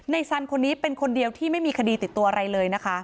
สันคนนี้เป็นคนเดียวที่ไม่มีคดีติดตัวอะไรเลยนะคะ